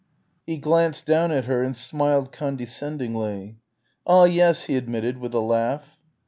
He glanced down at her and smiled condescendingly. "Ah, yes," he admitted with a laugh.